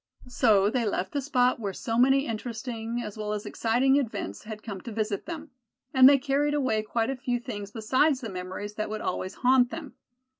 So they left the spot where so many interesting, as well as exciting, events had come to visit them. And they carried away quite a few things besides the memories that would always haunt them.